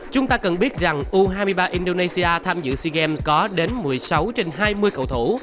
chúng ta cần biết rằng u hai mươi ba indonesia tham dự sea games có đến một mươi sáu trên hai mươi cầu thủ